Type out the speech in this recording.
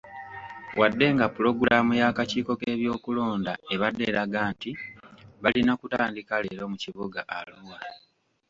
Wadde nga pulogulaamu y'akakiiko k'ebyokulonda ebadde eraga nti balina kutandika leero mu kibuga Arua.